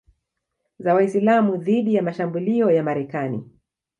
za Waislamu dhidi ya mashambulio ya Marekani